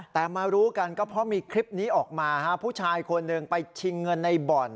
แต่มารู้กันก็เพราะมีคลิปนี้ออกมาผู้ชายคนหนึ่งไปชิงเงินในบ่อน